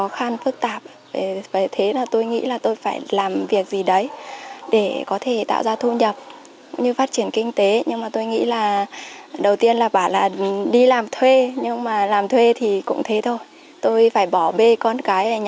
không có thu nhập thì mình không được chi tiêu những việc gì